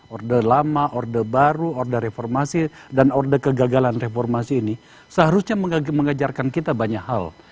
orde lama orde baru orde reformasi dan orde kegagalan reformasi ini seharusnya mengajarkan kita banyak hal